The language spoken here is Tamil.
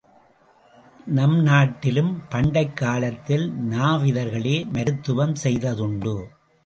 நம் நாட்டிலும் பண்டைக் காலத்தில் நாவிதர்களே மருத்துவம் செய்ததுண்டு.